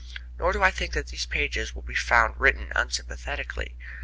Nor do I think that these pages will be found written unsympathetically.